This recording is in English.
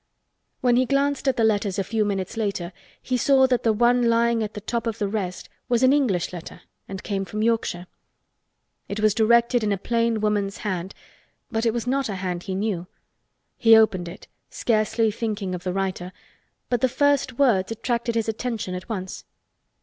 When he glanced at the letters a few minutes later he saw that the one lying at the top of the rest was an English letter and came from Yorkshire. It was directed in a plain woman's hand but it was not a hand he knew. He opened it, scarcely thinking of the writer, but the first words attracted his attention at once.